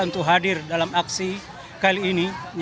untuk hadir dalam aksi kali ini